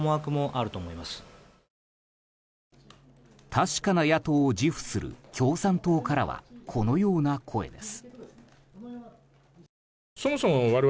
確かな野党を自負する共産党からはこのような声です。